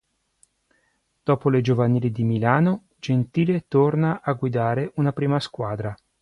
Dopo le giovanili di Milano, Gentile torna a guidare una prima squadra.